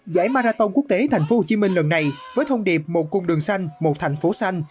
giải marathon quốc tế tp hcm lần này với thông điệp một cung đường xanh một thành phố xanh